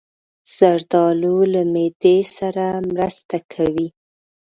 زردالو له معدې سره مرسته کوي.